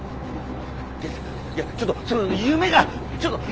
いやちょっと夢がちょっと。